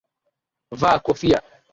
Vaa kofia